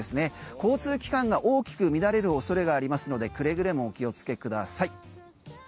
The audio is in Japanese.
交通機関が大きく乱れる恐れがありますのでくれぐれもお気をつけください。